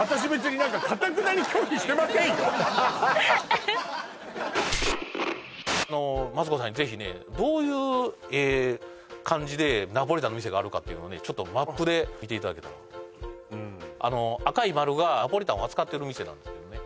私別に何かマツコさんにぜひねどういう感じでナポリタンの店があるかっていうのをちょっとマップで見ていただけたらあの赤い丸がナポリタンを扱っている店なんですけどね